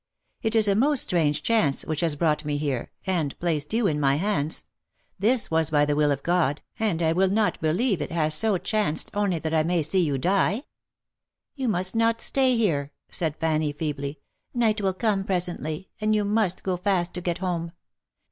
It is a most strange chance which has brought me here, and placed you in my hands — this was by the will of God, and I will not believe it has so chanced, only that I may see you die." " You must not stay here," said Fanny, feebly ;" night will come presently, and you must go fast to get home.